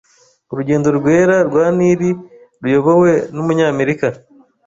Urugendo rwera rwa Nili ruyobowe n’umunyamerika